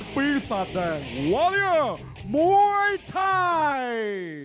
ฟีสัตเตอร์วัลเยอร์มวยไทย